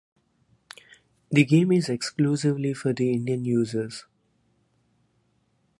The game is exclusively for the Indian users.